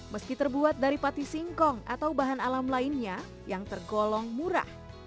meski terbuat dari pati singkong atau bahan alam lainnya yang tergolong murah